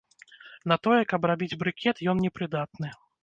На тое, каб рабіць брыкет, ён не прыдатны.